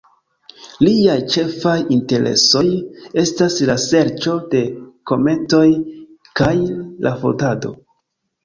Liaj ĉefaj interesoj estas la serĉo de kometoj kaj la fotado.